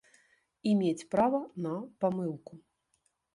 І мець права на памылку.